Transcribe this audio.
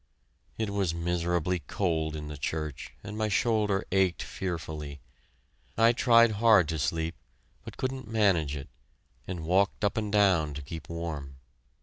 It was miserably cold in the church, and my shoulder ached fearfully. I tried hard to sleep, but couldn't manage it, and walked up and down to keep warm.